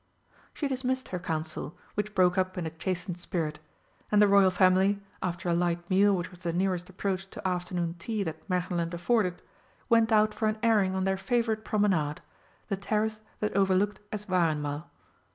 She dismissed her Council, which broke up in a chastened spirit, and the Royal Family, after a light meal which was the nearest approach to afternoon tea that Märchenland afforded, went out for an airing on their favourite promenade the terrace that overlooked Eswareinmal.